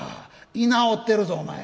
居直ってるぞお前。